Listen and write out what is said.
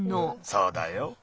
そうだよ。